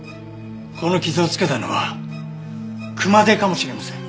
この傷をつけたのは熊手かもしれません。